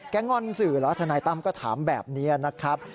ง่อนสื่อเหรอทนายตั้มก็ถามแบบนี้นะครับ